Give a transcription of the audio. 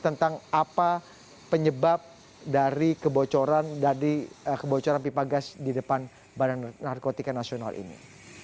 tentang apa penyebab dari kebocoran pipa gas di depan bnn ini